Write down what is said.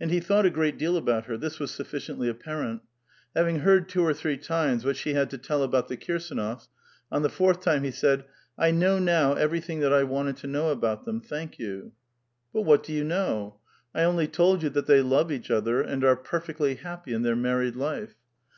And he thought a great deal about her; this was sufficiently apparent. Having heard two or three times what she had to toll about the Kirsdnofs, on the fourth time he said :" I now know every thing that I wanted to know about them. Thank you." " JBut what do you know? I only told you that they love each other, and are perfectly happy in their married life."